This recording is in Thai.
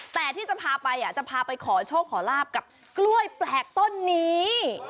แต่ที่จะพาไปจะพาไปขอโชคขอลาบกับกล้วยแปลกต้นนี้